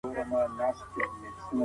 څوک غواړي هوکړه په بشپړ ډول کنټرول کړي؟